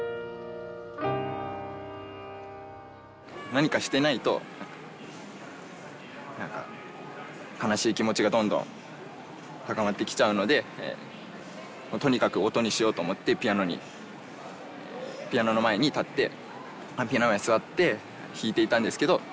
何かしてないと悲しい気持ちがどんどん高まってきちゃうのでとにかく音にしようと思ってピアノの前に座って弾いていたんですけど。